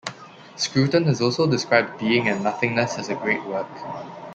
Scruton has also described "Being and Nothingness" as a great work.